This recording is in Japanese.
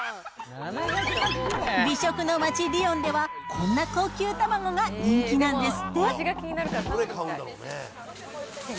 美食の街、リヨンではこんな高級卵が人気なんですって。